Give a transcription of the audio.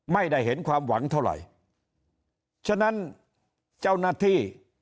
ไม่ได้เห็นความหวังเท่าไหร่ฉะนั้นเจ้าหน้าที่